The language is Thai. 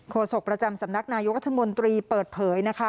โศกประจำสำนักนายกรัฐมนตรีเปิดเผยนะคะ